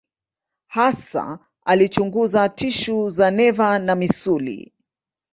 Hasa alichunguza tishu za neva na misuli.